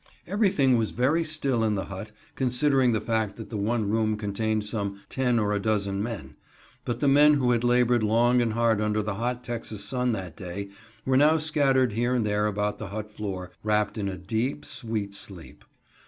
Everything was very still in the hut, considering the fact that the one room contained some ten or a dozen men; but the men who had labored long and hard under the hot Texas sun that day were now scattered here and there about the hut floor, wrapped in a deep, sweet sleep.